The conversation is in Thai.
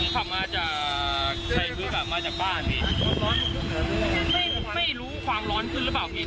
ขับมาจากมาจากบ้านนี่ไม่รู้ความร้อนคือหรือเปล่าพี่